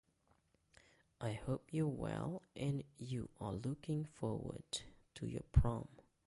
I hope you are well and that you are looking forward to your prom.